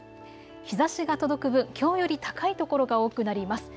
日ざしが届く分、きょうより高い所が多くなります。